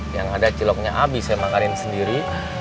yang ada ciloknya abis saya makanin sendiri